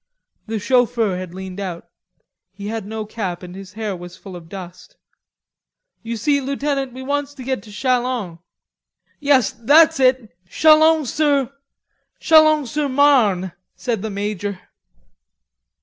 The chauffeur had leaned out. He had no cap and his hair was full of dust. "You see, Lootenant, we wants to get to Chalons " "Yes, that's it. Chalons sur...Chalons sur Marne," said the Major.